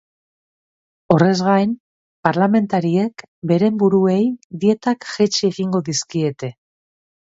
Horrez gain, parlamentariek beren buruei dietak jeitsi egingo dizkiete.